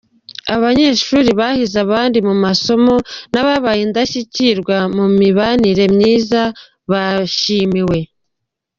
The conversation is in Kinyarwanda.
Abanyeshuri bahize abandi mu masomo n’ababaye indashyikirwa mu mibanire myiza bashimiwe .